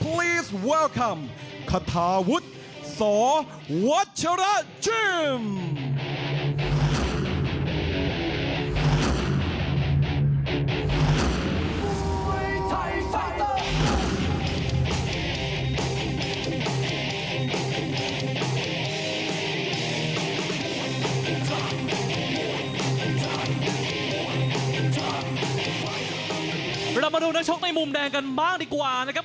เรามาดูนักชกในมุมแดงกันบ้างดีกว่านะครับ